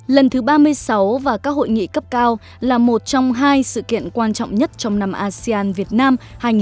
lần thứ ba mươi sáu và các hội nghị cấp cao là một trong hai sự kiện quan trọng nhất trong năm asean việt nam hai nghìn hai mươi